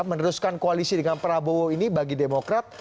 meneruskan koalisi dengan prabowo ini bagi demokrat